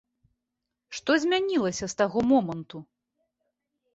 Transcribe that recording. Што змянілася з таго моманту?